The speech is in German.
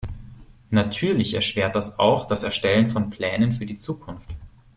Natürlich erschwert das auch das Erstellen von Plänen für die Zukunft.